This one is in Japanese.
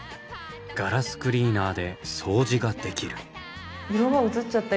ガラスクリーナーで掃除ができる。